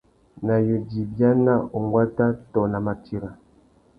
Nà yudza ibiana, unguata tô nà matira.